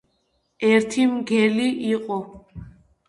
ერთი მგელი იყო